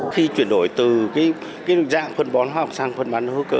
khi chuyển đổi từ cái dạng phân bón hóa học sang phân bán hữu cơ